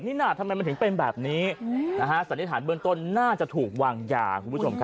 นี่หน้าทำไมมันถึงเป็นแบบนี้สันนิษฐานเบื้องต้นน่าจะถูกวางอย่าง